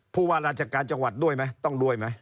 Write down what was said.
ผู้ว่าราชการจังหวัดด้วยไหมต้องรวยไหม